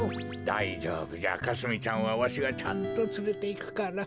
だいじょうぶじゃかすみちゃんはわしがちゃんとつれていくから。